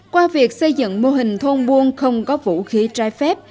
qua việc xây dựng mô hình thôn buôn không có vũ khí trái phép